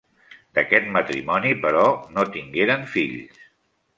D'aquest matrimoni, però, no tingueren fills.